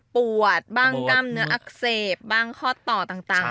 ปวดบ้างกล้ามเนื้ออักเสบบ้างข้อต่อต่าง